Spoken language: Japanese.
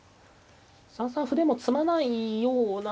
３三歩でも詰まないような。